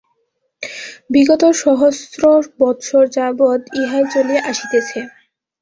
বিগত সহস্র বৎসর যাবৎ ইহাই চলিয়া আসিতেছে।